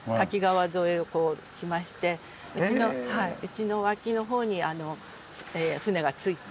うちの脇のほうに舟が着いて。